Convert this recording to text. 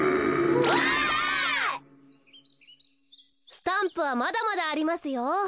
スタンプはまだまだありますよ。